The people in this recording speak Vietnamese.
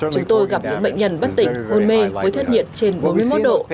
chúng tôi gặp những bệnh nhân bất tỉnh hôn mê với thất nhiệt trên bốn mươi một độ